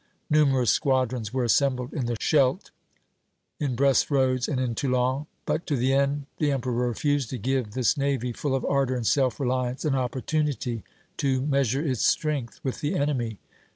Numerous squadrons were assembled in the Scheldt, in Brest Roads, and in Toulon.... But to the end the emperor refused to give this navy, full of ardor and self reliance, an opportunity to measure its strength with the enemy....